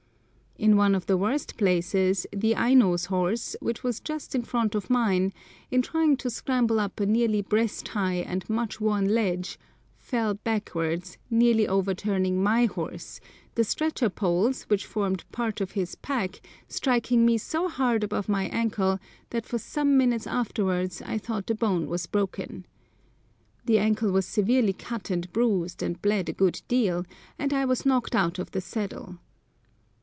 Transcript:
In one of the worst places the Aino's horse, which was just in front of mine, in trying to scramble up a nearly breast high and much worn ledge, fell backwards, nearly overturning my horse, the stretcher poles, which formed part of his pack, striking me so hard above my ankle that for some minutes afterwards I thought the bone was broken. The ankle was severely cut and bruised, and bled a good deal, and I was knocked out of the saddle.